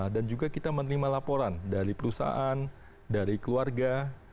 dan juga kita menerima laporan dari perusahaan dari keluarga